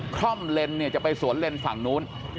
คร่มเลนฟ์จะไปสวนลเรนฟั่งโน้น